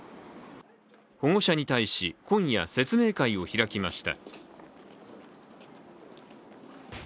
保護者に対し、今夜、説明会を開きました。